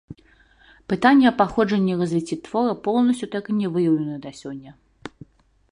Пытанне аб паходжанні і развіцці твора поўнасцю так і не выяўлены да сёння.